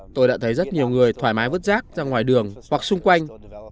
tôi đã thấy rất nhiều người thoải mái vứt rác ra ngoài đường hoặc xung quanh